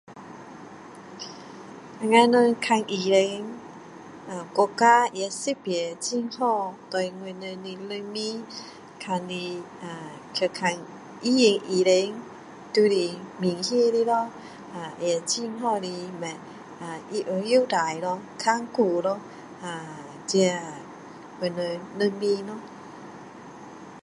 我们人看医生呃国家也设备很好对我们人民看的呃去看医院医生就是免费的咯呃也很好的呃它有优待咯看顾咯这我们的人民咯